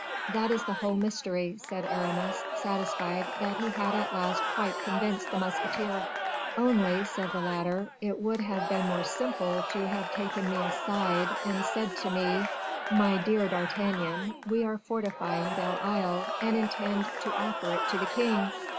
"That is the whole mystery," said Aramis, satisfied that he had at last quite convinced the musketeer. "Only," said the latter, "it would have been more simple to have taken me aside, and said to me, 'My dear D'Artagnan, we are fortifying Belle Isle, and intend to offer it to the king.